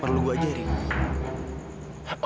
perlu saya mengajarkanmu